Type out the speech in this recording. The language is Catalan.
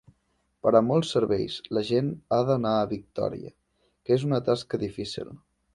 Per a molts serveis, la gent ha d'anar a Victòria, que és una tasca difícil.